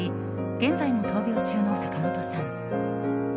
現在も闘病中の坂本さん。